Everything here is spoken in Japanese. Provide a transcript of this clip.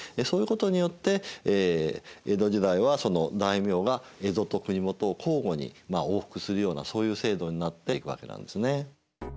そういうことによって江戸時代はその大名が江戸と国元を交互にまあ往復するようなそういう制度になっていくわけなんですね。